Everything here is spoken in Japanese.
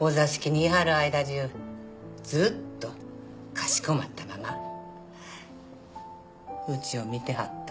お座敷にいはる間中ずっとかしこまったままうちを見てはった。